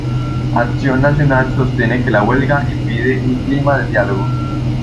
Acción Nacional sostiene que la huelga "impide un clima de diálogo".